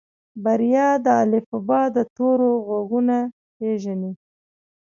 بريا د الفبا د تورو غږونه پېژني.